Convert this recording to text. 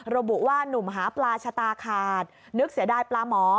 ระบุว่านุ่มหาปลาชะตาขาดนึกเสียดายปลาหมอ